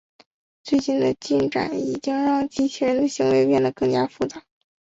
最近的进展已经让机器人的行为变成更加复杂。